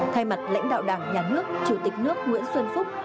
thay mặt lãnh đạo đảng nhà nước chủ tịch nước nguyễn xuân phúc